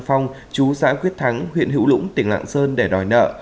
phong chú xã quyết thắng huyện hữu lũng tỉnh lạng sơn để đòi nợ